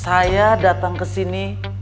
saya datang ke sini